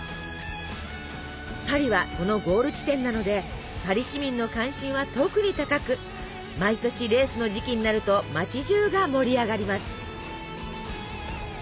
パリはそのゴール地点なのでパリ市民の関心は特に高く毎年レースの時期になると町じゅうが盛り上がります。